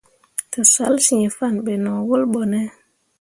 Tǝsalsyiŋfanne be no wul ɓo ne.